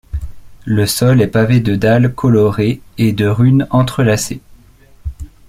Le sol est pavé de dalles colorées et de runes entrelacées.